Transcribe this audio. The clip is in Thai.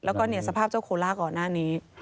แล้วก็สภาพเจ้าโคล่าก่อนหน้านี้